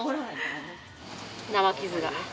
生傷が。